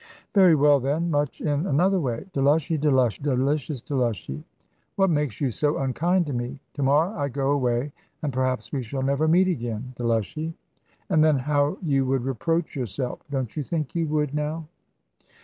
"Very well, then; much in another way. Delushy, Delushy, delicious Delushy, what makes you so unkind to me? To morrow I go away, and perhaps we shall never meet again, Delushy: and then how you would reproach yourself. Don't you think you would now?"